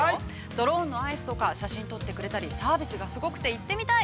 ドローンのアイスとか写真を撮ってくれたりサービスがすごくて行ってみたい。